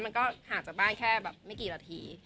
มันก็ห่างจากบ้านแค่แบบไม่กี่นาที